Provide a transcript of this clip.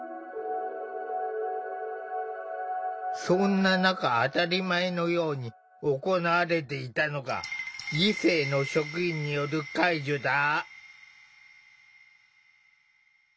そんな中当たり前のように行われていたのが異性の職員による介助だ。